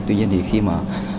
tuy nhiên thì khi mà